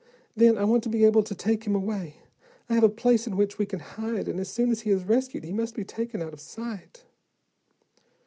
Then, I want to be able to take him away. I have a place in which we can hide, and as soon as he is rescued he must be taken out of sight."